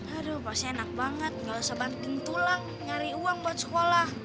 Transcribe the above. aduh pasti enak banget gak usah banting tulang nyari uang buat sekolah